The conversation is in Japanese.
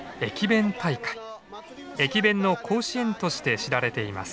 駅弁の甲子園として知られています。